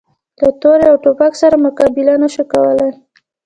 له تورې او توپک سره مقابله نه شو کولای.